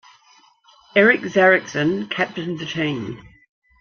Erik Zachrisson captained the team.